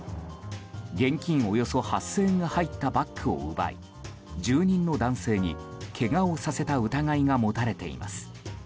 現金およそ８０００円が入ったバッグを奪い住人の男性に、けがをさせた疑いが持たれています。